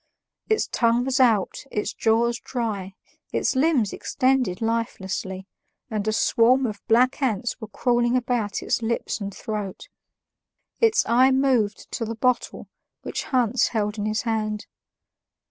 Its tongue was out, its jaws dry, its limbs extended lifelessly, and a swarm of black ants were crawling about its lips and throat. Its eye moved to the bottle which Hans held in his hand.